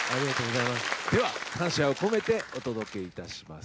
では感謝を込めてお届けいたします